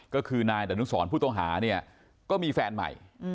ก็คือนายดนุสรผู้ต้องหาเนี่ยก็มีแฟนใหม่